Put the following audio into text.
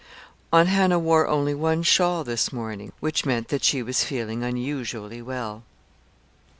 Aunt Hannah wore only one shawl this morning, which meant that she was feeling unusually well.